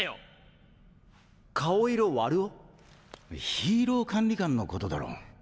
ヒーロー管理官のことだろ。